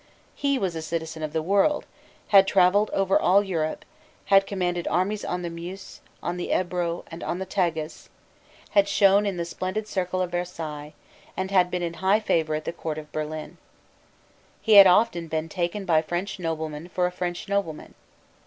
He was a citizen of the world, had travelled over all Europe, had commanded armies on the Meuse, on the Ebro, and on the Tagus, had shone in the splendid circle of Versailles, and had been in high favour at the court of Berlin. He had often been taken by French noblemen for a French nobleman.